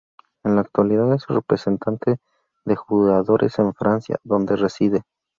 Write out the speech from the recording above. En la actualidad es representante de jugadores en Francia, donde reside.